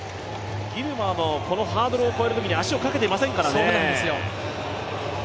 ギルマもハードルを越えるときに、足をかけていませんからね。